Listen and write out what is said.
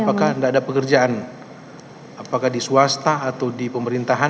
apakah tidak ada pekerjaan apakah di swasta atau di pemerintahan